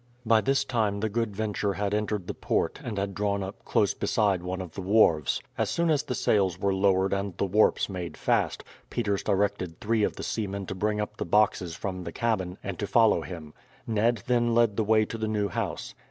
By this time the Good Venture had entered the port, and had drawn up close beside one of the wharves. As soon as the sails were lowered and the warps made fast, Peters directed three of the seamen to bring up the boxes from the cabin, and to follow him. Ned then led the way to the new house.